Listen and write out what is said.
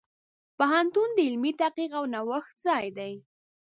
پوهنتون د علمي تحقیق او نوښت ځای دی.